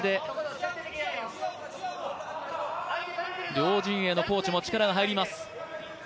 両陣営のコーチも力が入ります。